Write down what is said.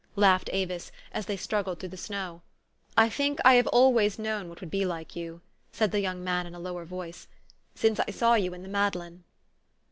laughed Avis, as they struggled through the snow. " I think I have always known what would be like you," said the young ,man in a lower voice, " since I saw you in the Madeleine."